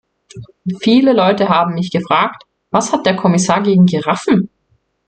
Viele Leute haben mich gefragt, was hat der Kommissar gegen Giraffen?